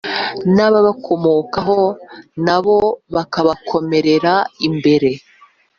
n’ababakomokaho na bo bakabakomerera imbere